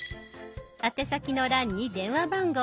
宛先の欄に電話番号。